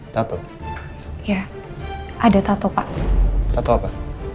tato ya ada tato pak toto apa